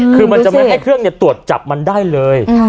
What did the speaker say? คือมันจะไม่ให้เครื่องตรวจจับมันได้เลย